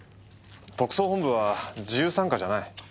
特捜本部は自由参加じゃない。